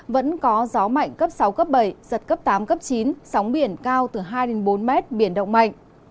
vẫn có gió mạnh cấp sáu cấp bảy giật cấp tám cấp chín sóng biển cao từ hai bốn mét biển động mạnh